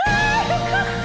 よかった！